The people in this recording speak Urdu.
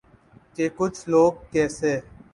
کہ ’کچھ لوگ کیسے